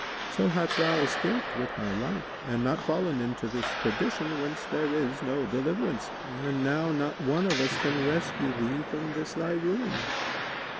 So hadst thou escaped with thy life and not fallen into this perdition, whence there is no deliverance; and now not one of us can rescue thee from this thy ruin."